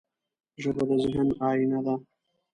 ژبه د ذهن آینه ده